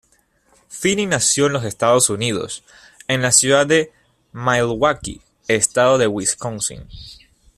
Finney nació en los Estados Unidos; en la ciudad de Milwaukee, Estado de Wisconsin.